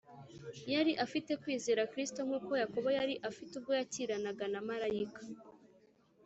. Yari afite kwizera Kristo nk’uko Yakobo yari afite ubwo yakiranaga na Malayika